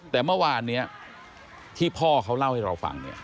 แต่เมื่อวานที่พ่อเขาเล่าให้เราฟังคือ